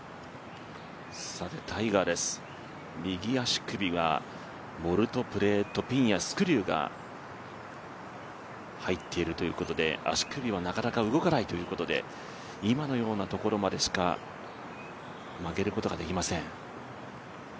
タイガーです、右足首はボルト、プレート、ピンやスクリューが入っているということで、足首がなかなか動かないということで今のようなところまでしか曲げることができません。